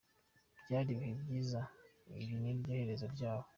Byari ibihe byiza iri niryo herezo ryabyo.